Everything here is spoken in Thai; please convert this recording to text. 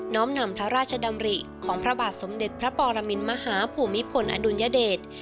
้อมนำพระราชดำริของพระบาทสมเด็จพระปรมินมหาภูมิพลอดุลยเดช